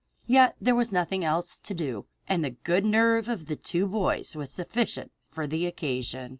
Yet there was nothing else to do, and the good nerve of the two boys was sufficient for the occasion.